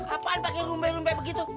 apaan pakai rumbe rumbe begitu